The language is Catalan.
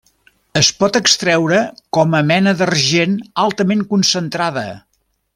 Es pot extreure com a mena d'argent altament concentrada.